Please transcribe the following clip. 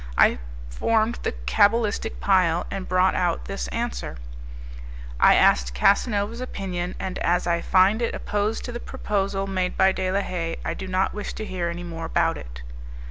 I formed the cabalistic pile, and brought out this answer: "I asked Casanova's opinion, and as I find it opposed to the proposal made by De la Haye, I do not wish to hear any more about it."